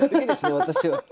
私は。